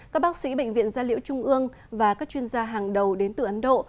các bác sĩ bệnh viện gia liễu trung ương và các chuyên gia hàng đầu đến từ ấn độ